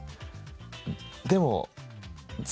でも。